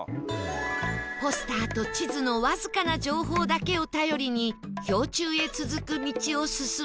ポスターと地図のわずかな情報だけを頼りに氷柱へ続く道を進むみたいです